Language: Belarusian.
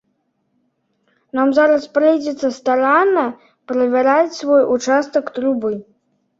Нам зараз прыйдзецца старанна правяраць свой участак трубы.